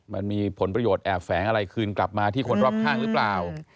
มันมีผลประโยชน์แอบแฝงอะไรคืนกลับมาที่คนรอบข้างหรือเปล่า